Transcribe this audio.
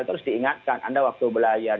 terus diingatkan anda waktu belajar